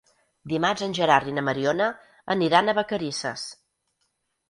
Dimarts en Gerard i na Mariona aniran a Vacarisses.